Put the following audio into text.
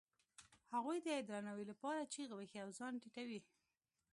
هغوی د درناوي لپاره چیغې وهي او ځان ټیټوي.